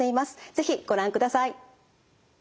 是非ご覧ください。